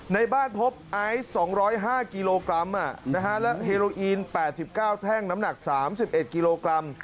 ในบ้านพบไอซ์๒๐๕กิโลกรัมและเฮโรอีน๘๙แท่งน้ำหนัก๓๑กิโลกรัม